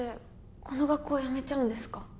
この学校辞めちゃうんですか？